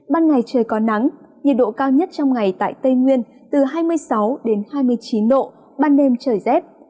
ban ngày trời có nắng nhiệt độ cao nhất trong ngày tại tây nguyên từ hai mươi sáu hai mươi chín độ ban đêm trời rét